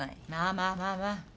まあまあ。